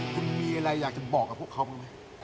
คุณมีอะไรอยากจะบอกกับพวกเขาบ้างไหม